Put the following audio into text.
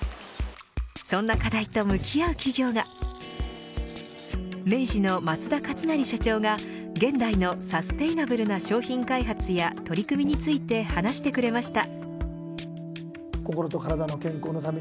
そんな課題と向き合う企業が明治の松田克也社長が現代のサステイナブルな商品開発や取り組みについて話してくれました。